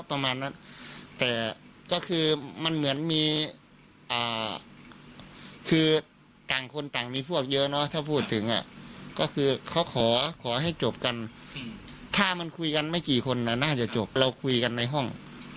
เราคุยกันในห้อง